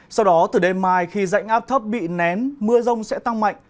sau đó từ đêm mai khi dạnh áp thấp bị nén mưa rông sẽ tăng mạnh